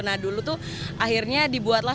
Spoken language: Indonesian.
nah dulu tuh akhirnya dibuatlah